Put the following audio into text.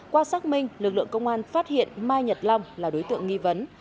qua xác minh lực lượng công an phát hiện mai nhật long là đối tượng nghi vấn